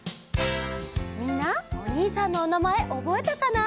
みんなおにいさんのおなまえおぼえたかな？